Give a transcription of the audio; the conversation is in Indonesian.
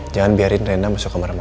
jangan biarin rena masuk kamar mama